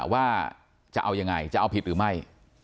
ว่าจะเอายังไงจะเอาผิดหรือไม่